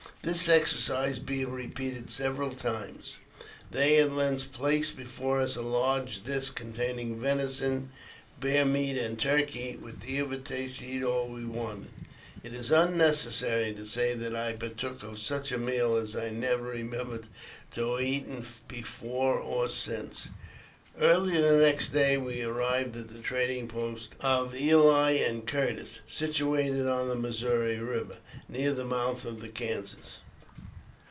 This exercise being repeated several times, they at length placed before us a large dish containing venison, bear meat, and turkey, with the invitation to eat all we wanted. It is unnecessary to say that I partook of such a meal as I never remember to have eaten before or since. Early the next day we arrived at the trading post of Ely and Curtis, situate on the Missouri Eiver, near the mouth of the Kansas.